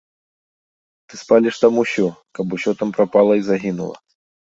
Ты спаліш там усё, каб усё там прапала і загінула.